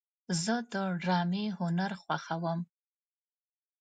زه د ډرامې هنر خوښوم.